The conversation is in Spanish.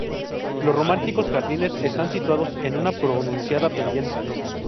Los románticos jardines están situados en una pronunciada pendiente.